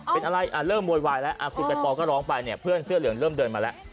เป็นอะไรเริ่มโวยวายแล้วคุณใบปอลก็ร้องไปเนี่ยเพื่อนเสื้อเหลืองเริ่มเดินมาแล้ว